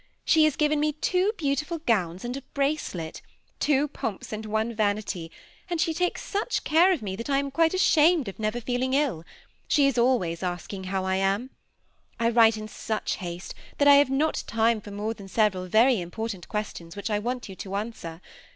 She has given me two beautiful gowns and a bracelet, — two pomps and one vanity, — and she takes such care of tne, that I am quite ashamed of never feeling ill : she is always asking how I am. I write in such haste that I have not time for more than several very important questions which I want you to answer.